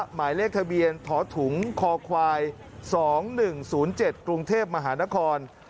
หมายเลขทะเบียนถอถุงคอควาย๒๑๐๗กรุงเทพมหานคร